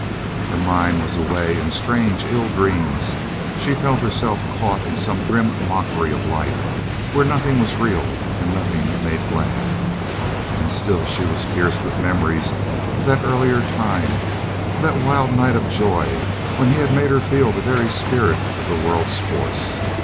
Her mind was away in strange, ill dreams. She felt herself caught in some grim mockery of life, where nothing was real and nothing made glad. And still she was pierced with memories of that earlier time, of that wild night of joy when he had made her feel the very spirit of the world's force.